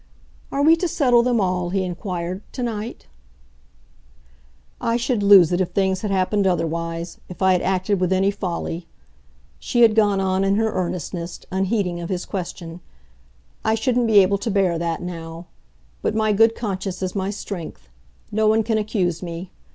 "Are we to settle them all," he inquired, "to night?" "I should lose it if things had happened otherwise if I had acted with any folly." She had gone on in her earnestness, unheeding of his question. "I shouldn't be able to bear that now. But my good conscience is my strength; no one can accuse me.